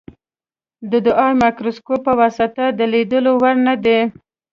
د عادي مایکروسکوپ په واسطه د لیدلو وړ نه دي.